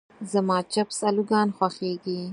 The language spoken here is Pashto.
زما چپس الوګان خوښيږي.